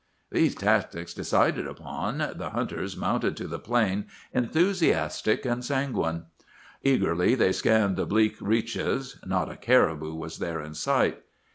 "These tactics decided upon, the hunters mounted to the plain, enthusiastic and sanguine. Eagerly they scanned the bleak reaches. Not a caribou was there in sight.